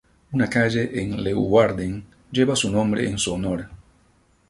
Una calle en Leeuwarden lleva su nombre en su honor.